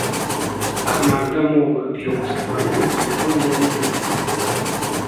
Аднак дамовы аб яго стварэнні ніхто не адмяняў.